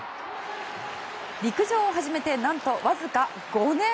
陸上を始めて何と、わずか５年。